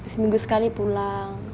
seminggu sekali pulang